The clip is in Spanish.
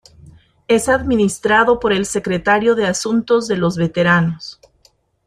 Es administrado por el secretario de Asuntos de los Veteranos.